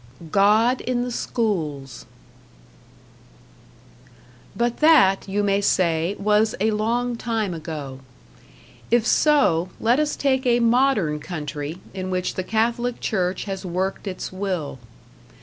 #God in the Schools# But that, you may say, was a long time ago. If so, let us take a modern country in which the Catholic Church has worked its will.